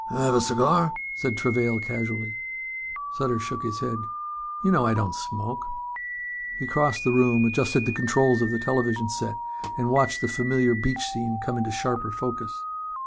"Have a cigar?" said Travail casually. Sutter shook his head. "You know I don't smoke." He crossed the room, adjusted the controls of the television set and watched the familiar beach scene come into sharper focus.